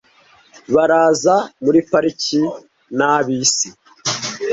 Baraza muri parike na bisi.